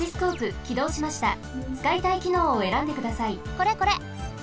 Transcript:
これこれ！